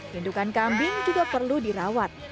hindukan kambing juga perlu dirawat